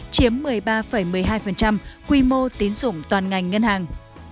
chiếm một mươi ba một mươi hai quy mô tín dụng toàn ngành ngân hàng